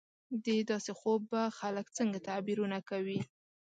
د داسې خوب به خلک څنګه تعبیرونه کوي